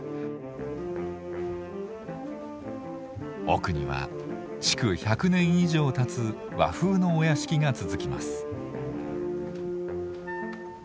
奥には築１００年以上たつ和風のお屋敷が続きます。